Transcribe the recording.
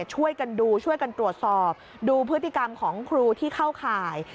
ช่วยกันดูช่วยกันตรวจสอบดูพฤติกรรมของครูที่เข้าข่าย